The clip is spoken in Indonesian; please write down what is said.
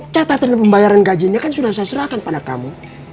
catatan pembayaran gajinya kan sudah saya serahkan pada kamu